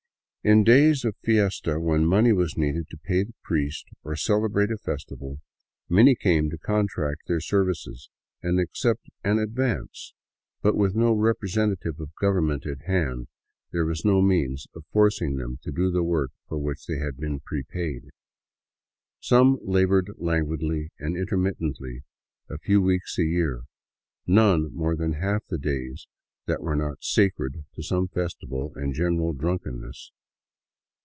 In days of fiesta, when money was needed to pay the priest or celebrate a festival, many came to contract their services and accept 226 THE WILDS OF NORTHERN PERU an " advance," but with no representative of government at hand, there was no means of forcing them to do the work for which they had been prepaid. Some labored languidly and intermittently a few weeks a year, none more than half the days that were not sacred to some festival and general drunkenness.